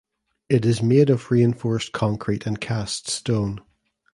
It is made of reinforced concrete and cast stone.